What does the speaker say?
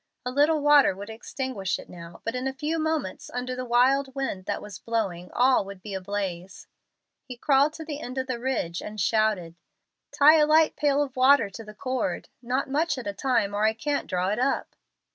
A little water would extinguish it now, but in a few moments, under the wild wind that was blowing, all would be ablaze. He crawled to the end of the ridge and shouted, "Tie a light pail of water to the cord not much at a time, or I can't draw it up."